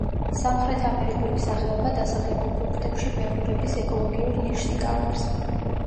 სამხრეთამერიკული სახეობა დასახლებულ პუნქტებში ბეღურების ეკოლოგიურ ნიშს იკავებს.